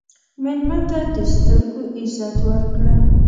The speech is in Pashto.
مېلمه ته د سترګو عزت ورکړه.